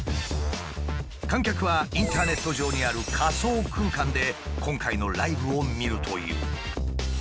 観客はインターネット上にある仮想空間で今回のライブを見るという。